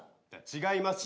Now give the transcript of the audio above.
違います。